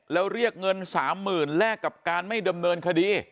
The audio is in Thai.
แล้วเรียกเงิน๓๐๐๐แลกกับการไม่ดำเนินคดี